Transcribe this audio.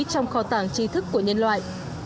trong kho tảng trí thức của nhân loại